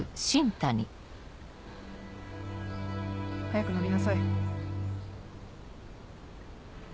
早く乗りなさい。